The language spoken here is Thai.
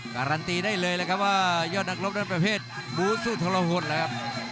การันตีได้เลยครับว่ายอดนักลบเป็นประเภทบูศุทรหลวงนะครับ